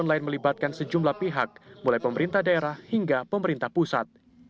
online melibatkan sejumlah pihak mulai pemerintah daerah hingga pemerintah pusat